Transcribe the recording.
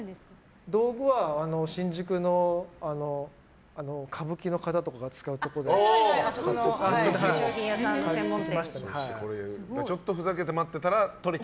道具は新宿の歌舞伎の方とかが使うところとかで「キュキュット」